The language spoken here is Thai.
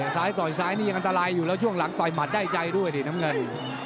ต่อยซ้ายนี่ยังอันตรายอยู่แล้วช่วงหลังต่อยหมัดได้ใจด้วยดิน้ำเงิน